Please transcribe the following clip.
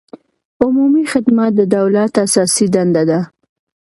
عمومي خدمت د دولت اساسي دنده ده.